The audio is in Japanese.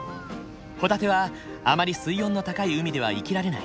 ホタテはあまり水温の高い海では生きられない。